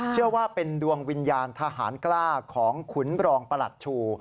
เชื่อว่าเป็นดวงวิญญาณทหารกล้าของขุนรองประหลัดชู